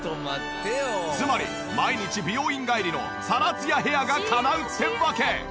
つまり毎日美容院帰りのサラツヤヘアがかなうってわけ。